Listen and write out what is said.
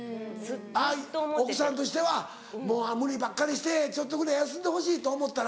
あっ奥さんとしてはもう無理ばっかりしてちょっとぐらい休んでほしいと思ったら。